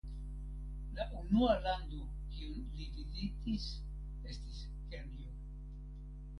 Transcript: La unua lando kiun li vizitis estis Kenjo.